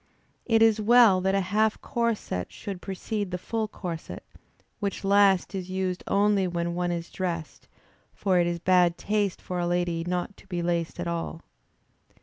It is well that a half corset should precede the full corset, which last is used only when one is dressed; for it is bad taste for a lady not to be laced at all.